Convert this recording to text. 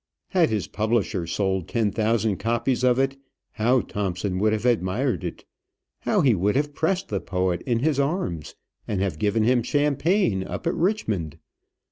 Had his publisher sold ten thousand copies of it, how Thompson would have admired it! how he would have pressed the poet in his arms, and have given him champagne up at Richmond!